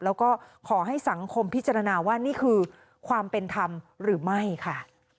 แล้วก็ขอให้สังคมพิจารณาว่านี่คือความเป็นธรรมหรือไม่ค่ะ